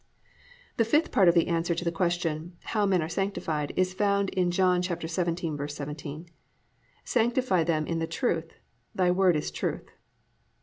5. The fifth part of the answer to the question, how men are sanctified, is found in John 17:17, +"Sanctify them in the truth: thy word is truth."